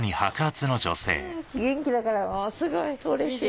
元気だからすごいうれしい。